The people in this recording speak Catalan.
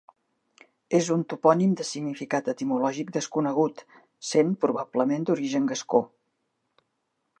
És un topònim de significat etimològic desconegut, sent probablement d'origen gascó.